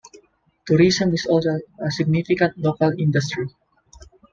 Tourism is also a significant local industry.